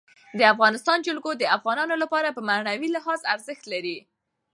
د افغانستان جلکو د افغانانو لپاره په معنوي لحاظ ارزښت لري.